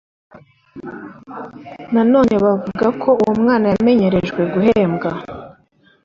Nanone bavuga ko uwo umwana yamenyerejwe guhembwa